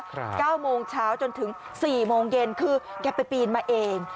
เก้าโมงเช้าจนถึงสี่โมงเย็นคือแกไปปีนมาเอง